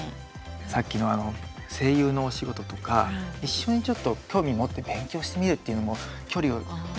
さっきのあの声優のお仕事とか一緒にちょっと興味持って勉強してみるというのも距離をね